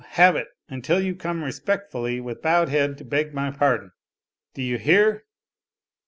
have it until you come respectfully with bowed head to beg my pardon. Do you hear